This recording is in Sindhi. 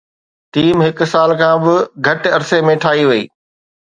ٽيم هڪ سال کان به گهٽ عرصي ۾ ٺاهي وئي